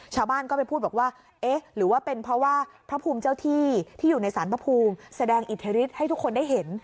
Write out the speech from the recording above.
ชาวบ้านก็ไปพูดบอกว่าเอ๊ะหรือว่าเป็นเพราะว่าพระภูมิเจ้าที่ที่อยู่ในสารพระภูมิแสดงอิทธิฤทธิให้ทุกคนได้เห็น